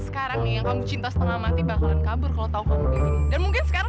karena saya gak mau ditolong sama seseorang